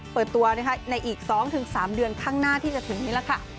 เปิดตัวนะคะในอีก๒๓เดือนข้างหน้าที่จะถึงนี้แหละค่ะ